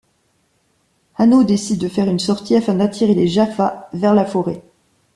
Hanno décide de faire une sortie afin d'attirer les jaffas vers la forêt.